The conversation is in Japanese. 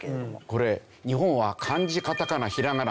これ日本は漢字カタカナひらがな